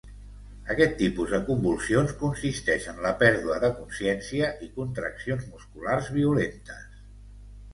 Aquest tipus de convulsions consisteix en la pèrdua de consciència i contraccions musculars violentes.